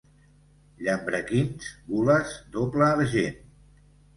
Llambrequins gules, doble argent.